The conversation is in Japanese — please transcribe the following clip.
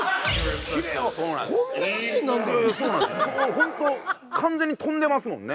ホント完全に飛んでますもんね。